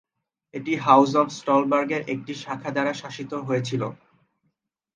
এটি house of স্টলবার্গের একটি শাখা দ্বারা শাসিত হয়েছিল।